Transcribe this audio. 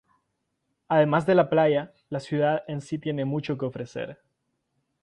Además de la playa, la ciudad en sí tiene mucho que ofrecer.